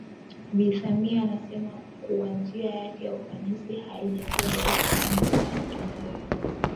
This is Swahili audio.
Bi Samia anasema kuwa njia yake ya ufanisi haijakuwa rahisi kama inavyodhaniwa